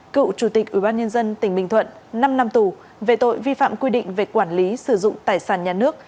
cựu chủ tịch ubnd tỉnh bình thuận năm năm tù về tội vi phạm quy định về quản lý sử dụng tài sản nhà nước